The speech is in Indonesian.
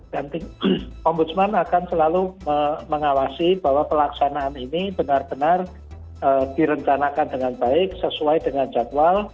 dan ombudsman akan selalu mengawasi bahwa pelaksanaan ini benar benar direncanakan dengan baik sesuai dengan jadwal